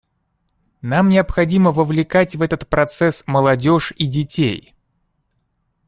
Нам необходимо вовлекать в этот процесс молодежь и детей.